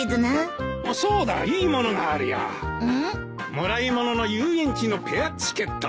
もらい物の遊園地のペアチケット。